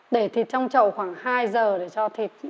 để thịt trong chậu khoảng hai giờ để cho thịt